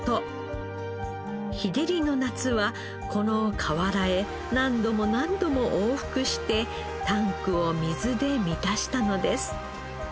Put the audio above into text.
日照りの夏はこの河原へ何度も何度も往復してタンクを水で満たしたのです。